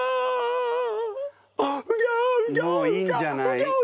もういいんじゃない？